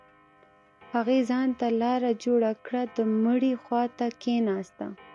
هغې ځان ته لاره جوړه كړه د مړي خوا ته كښېناسته.